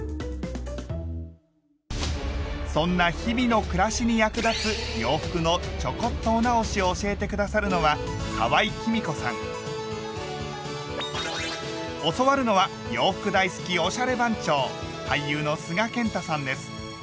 そんな日々の暮らしに役立つ洋服のちょこっとお直しを教えて下さるのは教わるのは洋服大好きおしゃれ番長！